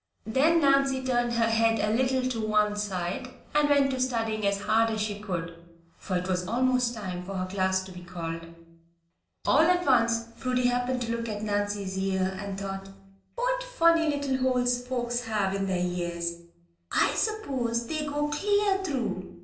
Then Nancy turned her head a little to one side, and went to studying as hard as she could, for it was almost time for her class to be called. All at once Prudy happened to look at Nancy's ear, and thought, "What funny little holes folks have in their ears! I s'pose they go clear through.